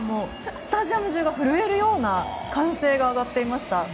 スタジアム中が震えるような歓声が上がっていました。